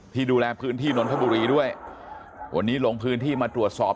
ดูแลพื้นที่นนทบุรีด้วยวันนี้ลงพื้นที่มาตรวจสอบ